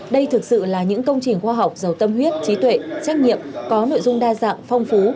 đây thực sự là những công trình khoa học giàu tâm huyết trí tuệ trách nhiệm có nội dung đa dạng phong phú